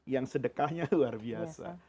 yang sedekahnya luar biasa